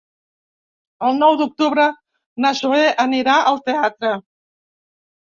El nou d'octubre na Zoè anirà al teatre.